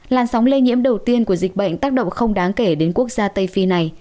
làn sóng lây nhiễm đầu tiên của dịch bệnh tác động không đáng kể đến quốc gia tây phi này